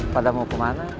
pada mau kemana